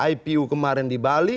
ipu kemarin di bali